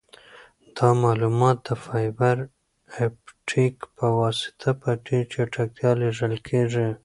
دا معلومات د فایبر اپټیک په واسطه په ډېر چټکتیا لیږل کیږي.